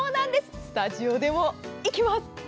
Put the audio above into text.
スタジオでも、いきます。